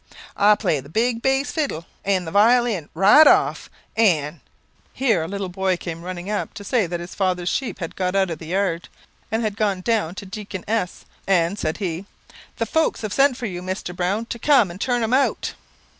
I play the big bass fiddle and the violin right off, and " Here a little boy came running up to say that his father's sheep had got out of the yard, and had gone down to Deacon S ; and, said he, "The folks have sent for you, Mister Browne, to cum and turn 'em out."